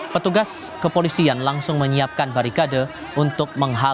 petugas kepolisian langsung menyiapkan barikade untuk menghalangi